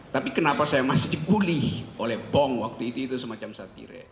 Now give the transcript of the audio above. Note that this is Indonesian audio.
tapi kenapa saya masih dipulih oleh bong waktu itu semacam satire